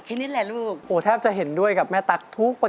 คุณสูตรจะได้โทรมากค่ะ